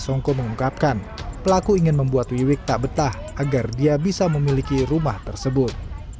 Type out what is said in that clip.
songko mengungkapkan pelaku ingin membuat wiwik tak betah agar dia bisa memiliki rumah tersebut